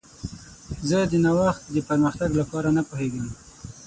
زه د نوښت د پرمختګ لپاره نه پوهیږم.